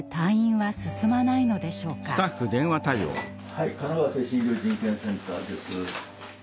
はい神奈川精神医療人権センターです。